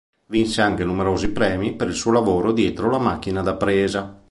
Vinse anche numerosi premi per il suo lavoro dietro la macchina da presa.